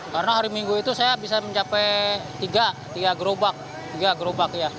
karena hari minggu itu saya bisa mencapai tiga gerobak